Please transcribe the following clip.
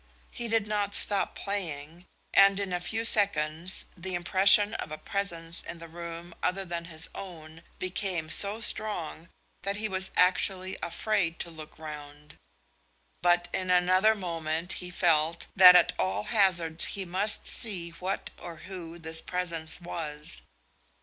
He did not stop playing, and in a few seconds the impression of a presence in the room other than his own became so strong that he was actually afraid to look round. But in another moment he felt that at all hazards he must see what or who this presence was.